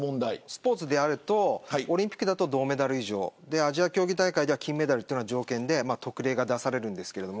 スポーツであるとオリンピックは銅メダル以上アジア競技大会では金メダルが条件で特例が出されるんですけど。